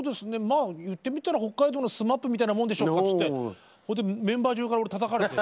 まあ言ってみたら北海道のＳＭＡＰみたいなものでしょうとかって言ってそれでメンバー中から俺たたかれて。